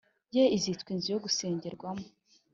Ye izitwa inzu yo gusengerwamo